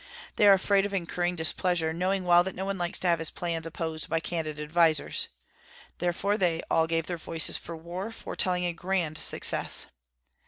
They are afraid of incurring displeasure, knowing well that no one likes to have his plans opposed by candid advisers. Therefore they all gave their voices for war, foretelling a grand success.